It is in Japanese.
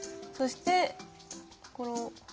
そしてこの。